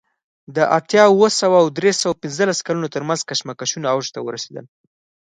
د اتیا اوه سوه او درې سوه پنځلس کلونو ترمنځ کشمکشونه اوج ته ورسېدل